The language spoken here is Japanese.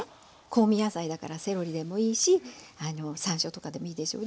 香味野菜だからセロリでもいいし山椒とかでもいいですよ。